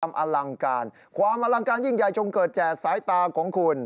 อลังการความอลังการยิ่งใหญ่จงเกิดแจ่สายตาของคุณ